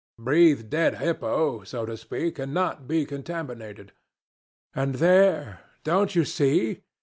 breathe dead hippo, so to speak, and not be contaminated. And there, don't you see?